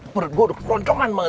perut gue udah keronkoman banget